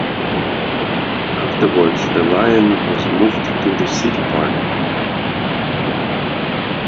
Afterwards the lion was moved to the city park.